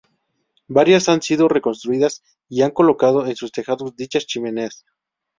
Varias han sido reconstruidas y han colocado en sus tejados dichas chimeneas.